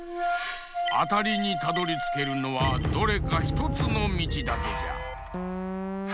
あたりにたどりつけるのはどれかひとつのみちだけじゃ。